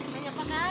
banyak pake air lagi